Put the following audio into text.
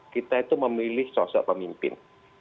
kita itu memilih sosok pemimpin